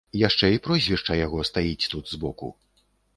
Яшчэ і прозвішча яго стаіць тут збоку.